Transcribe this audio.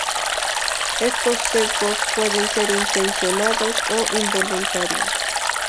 Estos sesgos pueden ser intencionados o involuntarios.